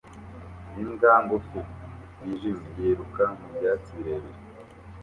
Imbwa ngufi yijimye yiruka mu byatsi birebire